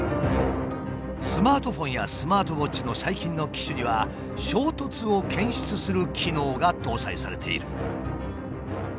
スマートフォンやスマートウォッチの最近の機種には衝突を検出する機能が搭載されている。